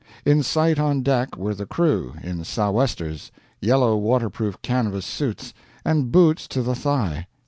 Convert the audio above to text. In sight on deck were the crew, in sou'westers, yellow waterproof canvas suits, and boots to the thigh.